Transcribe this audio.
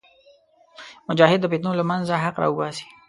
مجاهد د فتنو له منځه حق راوباسي.